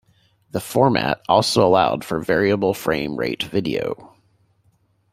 The format also allowed for variable frame rate video.